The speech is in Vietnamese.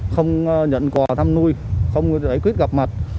không nhận quà thăm nuôi không giải quyết gặp mặt